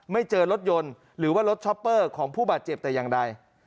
ไม่เจอรถยนต์หรือว่ารถช็อปเปอร์ของผู้บาดเจ็บแต่อย่างใด